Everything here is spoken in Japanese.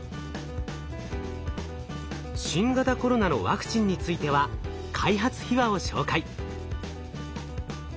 新型コロナのワクチンについては開発秘話を紹介。